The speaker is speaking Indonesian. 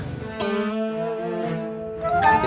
oke emang abah